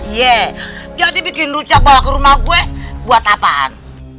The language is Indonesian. yeh jadi bikin rujak bawa ke rumah gue buat apaan